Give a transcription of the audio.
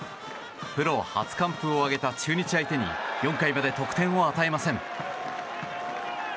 プロ初完封を挙げた中日相手に４回まで得点を与えません。